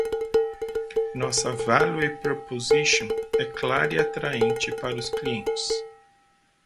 Nossa value proposition é clara e atraente para os clientes.